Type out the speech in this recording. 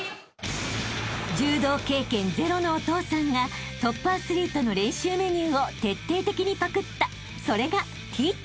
［柔道経験ゼロのお父さんがトップアスリートの練習メニューを徹底的にパクったそれがＴＴＰ］